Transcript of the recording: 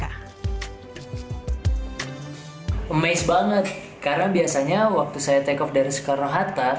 amaze banget karena biasanya waktu saya take off dari soekarno hatta